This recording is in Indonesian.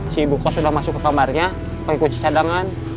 si ibu kos udah masuk ke kamarnya pakai kunci cadangan